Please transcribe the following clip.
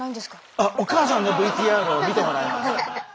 あっお母さんのＶＴＲを見てもらいます。